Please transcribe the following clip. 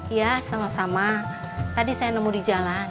iya sama sama tadi saya nemu di jalan